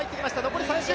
残り３周。